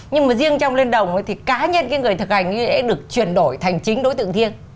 nhưng mà riêng trong liên đồng thì cá nhân cái người thực hành nghi lễ được chuyển đổi thành chính đối tượng thiêng